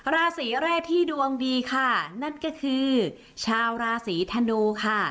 ราศีแรกที่ดวงดีค่ะนั่นก็คือชาวราศีธนูค่ะ